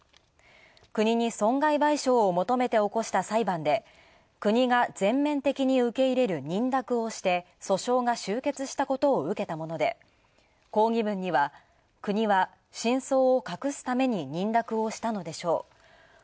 国に損害賠償を求めて起こした裁判で、国が全面的に受け入れる認諾をして訴訟が終結したことを受けたもので抗議文には国が真相を隠すために認諾をしたのでしょうか。